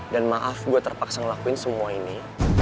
dan maaf gue terpaksa ngelakuin semua ini